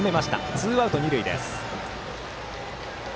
ツーアウト、二塁です。